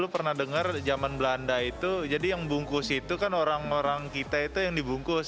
lu pernah dengar zaman belanda itu jadi yang bungkus itu kan orang orang kita itu yang dibungkus